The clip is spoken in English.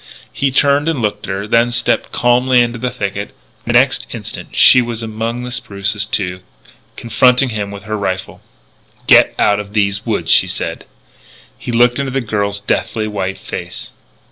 He turned and looked at her, then stepped calmly into the thicket. And the next instant she was among the spruces, too, confronting him with her rifle. "Get out of these woods!" she said. He looked into the girl's deathly white face.